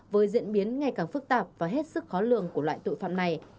với diễn biến ngày càng phức tạp và hết sức khó lường của loại tội phạm này